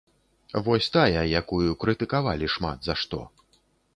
Вось тая, якую крытыкавалі шмат за што.